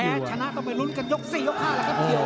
ชนะต้องไปลุ้นกันยก๔ยก๕แล้วครับเกี่ยว